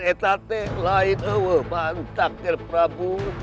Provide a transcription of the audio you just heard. e tate lain eweh mantak ger prabu